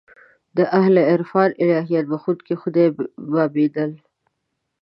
د اهل عرفان الهیات بخښونکی خدای بابېدل.